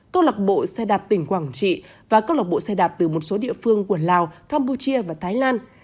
câu lạc bộ xe đạp tỉnh quảng trị và câu lạc bộ xe đạp từ một số địa phương của lào campuchia và thái lan